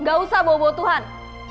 gak usah bawa tuhan